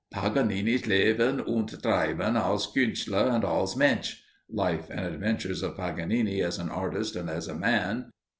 "Paganini's Leben und Treiben als Künstler und als Mensch," (Life and Adventures of Paganini, as an Artist, and as a Man).